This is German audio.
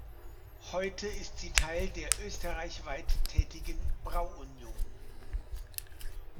Heute ist sie Teil der österreichweit tätigen Brau Union.